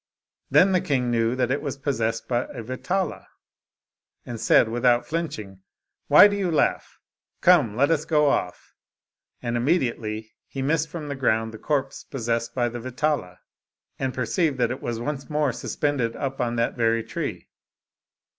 Then the king knew that it was possessed by a Vetala, and said without flinching^ " Why do you laugh? Come, let us go off." And immedi ately he missed from the ground the corpse possessed by the Vetala, and perceived that it was once more suspended on that very tree.